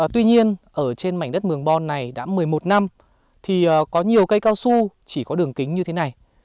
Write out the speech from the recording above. tuy nhiên ở trên mảnh đất mường bon này đã một mươi một năm thì có nhiều cây cao su chỉ có đường kính như thế này